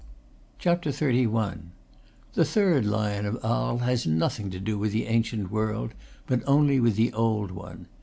XXXI. The third lion of Arles has nothing to do with the ancient world, but only with the old one.